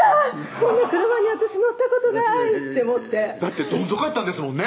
こんな車に私乗ったことないって思ってだってどん底やったんですもんね